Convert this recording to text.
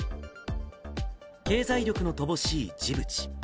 経済力の乏しいジブチ。